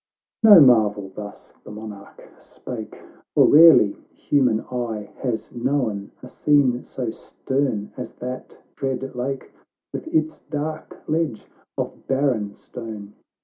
— XIV No marvel thus the Monarch spake ; For rarely human eye has known A scene so stern as that dread lake, With its dark ledge of barren stone.